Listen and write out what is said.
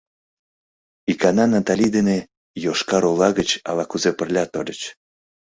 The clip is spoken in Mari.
Икана Натали дене Йошкар-Ола гыч ала-кузе пырля тольыч.